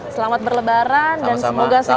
selamat berlebaran dan semoga sehat